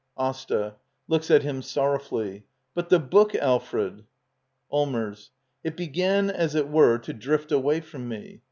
AsTA. [Looks at him sorrowfully.] But the book, Alfred? Allmers. It began, as it were, to drift away from me.